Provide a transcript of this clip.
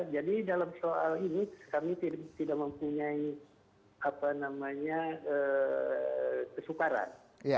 jadi dalam soal ini kami tidak mempunyai kesukaran